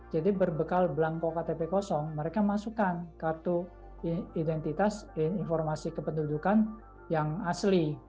jadi berbekal belang kokatp kosong mereka masukkan kartu identitas informasi kependudukan yang asli